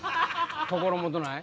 心もとない？